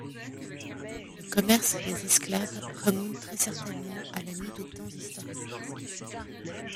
Le commerce des esclaves remonte très certainement à la nuit des temps historiques.